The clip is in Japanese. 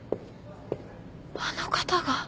あの方が？